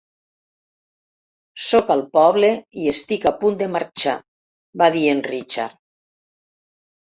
"Sóc al poble i estic a punt de marxar", va dir en Richard.